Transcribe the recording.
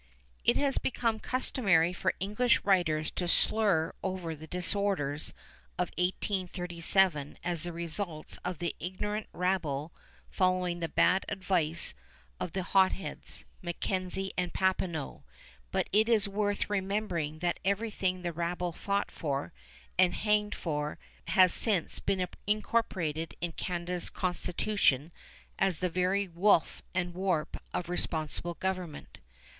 It has become customary for English writers to slur over the disorders of 1837 as the results of the ignorant rabble following the bad advice of the hot heads, MacKenzie and Papineau; but it is worth remembering that everything the rabble fought for, and hanged for, has since been incorporated in Canada's constitution as the very woof and warp of responsible government.